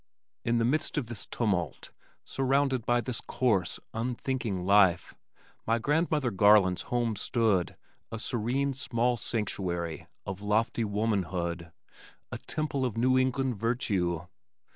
In the midst of this tumult, surrounded by this coarse, unthinking life, my Grandmother Garland's home stood, a serene small sanctuary of lofty womanhood, a temple of New England virtue.